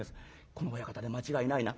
この親方で間違いないな？」。